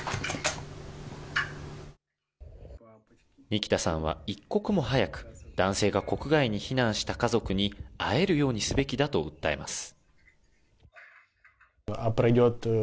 ニキタさんは一刻も早く男性が国外に避難した家族に会えるようにすべきだと訴えます。